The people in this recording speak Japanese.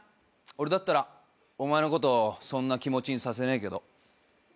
俺だったらお前のことをそんな気持ちにさせねえけど。